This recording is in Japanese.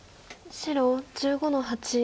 白１５の八。